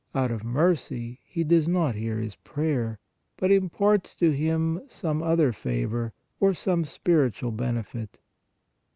Out of mercy He does not hear his prayer, but imparts to him some other favor, or some spir itual benefit.